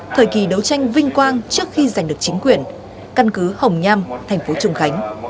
thời kỳ đấu tranh vinh quang trước khi giành được chính quyền căn cứ hồng nham thành phố trùng khánh